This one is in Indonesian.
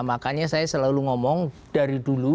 makanya saya selalu ngomong dari dulu